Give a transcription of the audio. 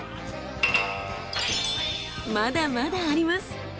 まだまだあります。